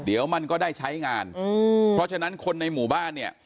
เดี๋ยวมันก็ได้ใช้งานอืมเพราะฉะนั้นคนในหมู่บ้านเนี่ย